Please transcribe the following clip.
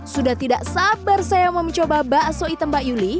sudah tidak sabar saya mencoba bakso hitam mbak yuli